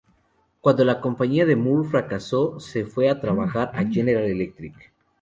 Cuando la compañía de Moore fracasó se fue a trabajar a General Electric.